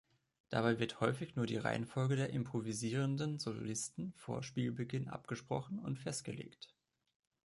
Dabei wird häufig nur die Reihenfolge der improvisierenden Solisten vor Spielbeginn abgesprochen und festgelegt.